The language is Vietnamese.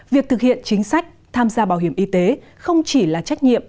việc thực hiện chính sách tham gia bảo hiểm y tế không chỉ là trách nhiệm